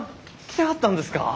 来てはったんですか。